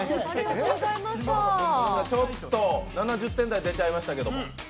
ちょっと７０点台出ちゃいましたけども。